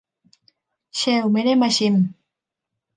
เชลล์ไม่ได้มาชิม